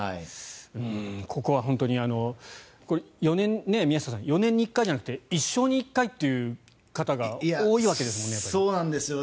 ここは本当に宮下さん、４年に１回じゃなくて一生に１回という方が多いわけですよね。